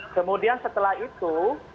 kemudian setelah itu